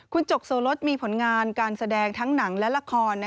คุณจกโสลดมีผลงานการแสดงทั้งหนังและละคร